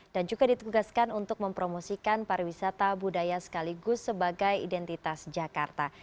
dan juga ditugaskan untuk mempromosikan pariwisata budaya sekaligus sebagai identitas jakarta